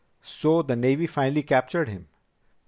"So the Navy finally captured him?"